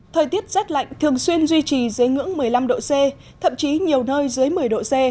thời tiết rét lạnh thường xuyên duy trì dưới ngưỡng một mươi năm độ c thậm chí nhiều nơi dưới một mươi độ c